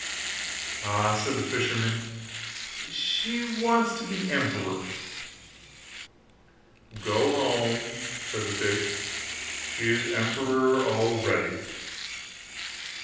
'Ah!' said the fisherman, 'she wants to be emperor.' 'Go home,' said the fish; 'she is emperor already.